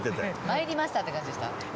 参りましたって感じでした？